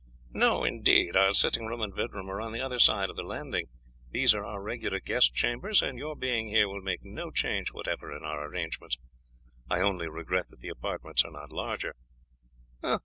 "No, indeed; our sitting room and bedroom are on the other side of the landing. These are our regular guest chambers, and your being here will make no change whatever in our arrangements. I only regret that the apartments are not larger."